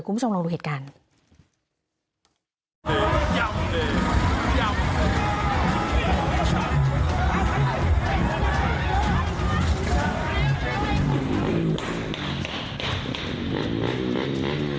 คุณผู้ชมลองดูเหตุการณ์